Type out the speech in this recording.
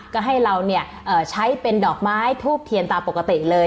ก็ให้เราใช้เป็นดอกไม้ทูบเทียนตามปกติเลย